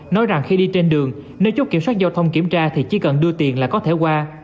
nói rằng khi đi trên đường nếu chốt kiểm soát giao thông kiểm tra thì chỉ cần đưa tiền là có thể qua